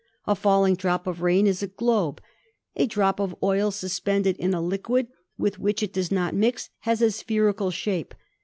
A falling drop of rain is a globe; a drop of oil suspended in a liquid with which it does not mix has a spherical shape.